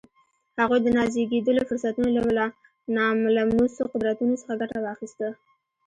هغوی د نازېږېدلو فرصتونو له ناملموسو قدرتونو څخه ګټه واخیسته